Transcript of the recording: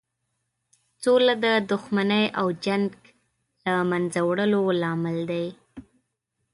سوله د دښمنۍ او جنګ له مینځه وړلو لامل دی.